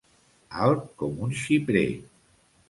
Alt com un xiprer.